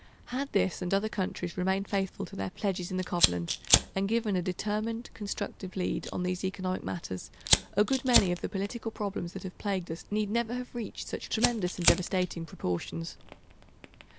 Had this and other countries remained faithful to their pledges in the Covenant and given a determined, constructive lead on these economic matters, a good many of the political problems that have plagued us need never have reached such tremendous and devastating proportions.